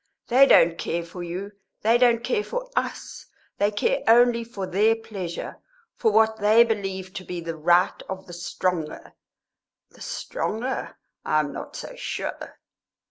They don't care for you; they don't care for us. They care only for their pleasure, for what they believe to be the right of the stronger. The stronger? I am not so sure!"